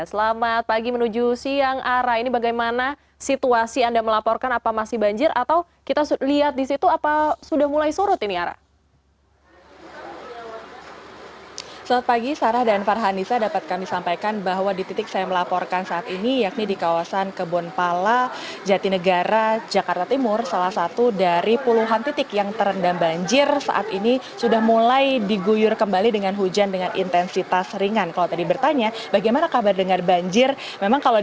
selamat pagi menuju siang ara ini bagaimana situasi anda melaporkan apa masih banjir atau kita lihat di situ apa sudah mulai surut ini ara